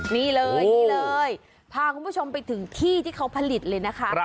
นี่เลยนี่เลยพาคุณผู้ชมไปถึงที่ที่เขาผลิตเลยนะคะ